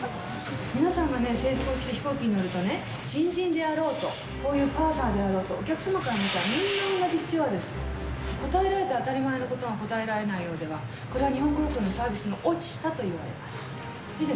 皆さんがね、制服を着て飛行機に乗るとね、新人であろうと、こういうパーサーであろうと、みんな同じスチュワーデス。答えられて当たり前のことが答えられないようでは、これは日本航空のサービスが落ちたといわれます。